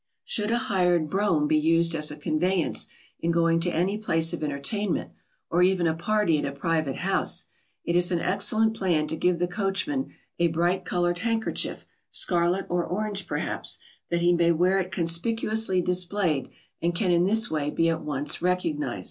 [Sidenote: Should a hired brougham be used.] Should a hired brougham be used as a conveyance in going to any place of entertainment, or even a party at a private house, it is an excellent plan to give the coachman a bright coloured handkerchief, scarlet or orange perhaps, that he may wear it conspicuously displayed, and can in this way be at once recognised.